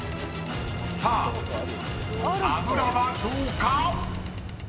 ［さあ油はどうか？］